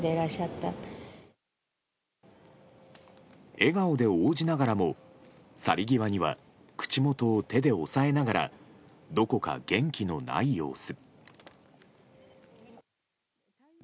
笑顔で応じながらも去り際には口元を手で押さえながらどこか元気のない様子。